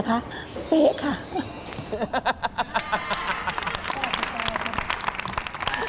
เป๊ะครับ